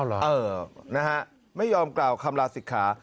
อ๋อเหรออ๋อนะฮะไม่ยอมกล่าวคำลาสิทธิ์ขา